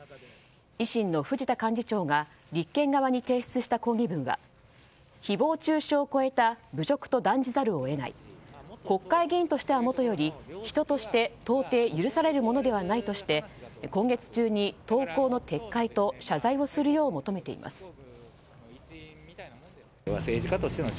維新の藤田幹事長が立憲側に提出した抗議文は誹謗中傷を超えた侮辱と断じざるを得ない国会議員としてはもとより人として到底許されるものではないとして今月中に投稿の撤回と謝罪をするよう求めています。